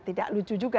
tidak lucu juga